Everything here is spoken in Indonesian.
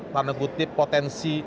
tanda kutip potensi